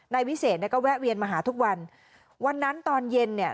นายวิเศษเนี่ยก็แวะเวียนมาหาทุกวันวันนั้นตอนเย็นเนี่ย